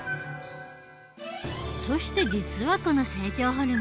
そして実はこの成長ホルモン